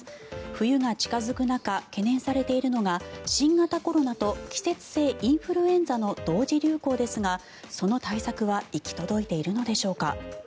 冬が近付く中懸念されているのが新型コロナと季節性インフルエンザの同時流行ですがその対策は行き届いているのでしょうか。